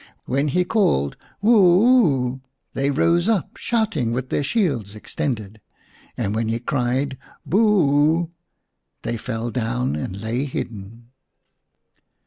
When he called " Woo ooh," they rose up, shouting, with their shields extended ; and when he cried " Boo ooh," they fell down and lay hidden.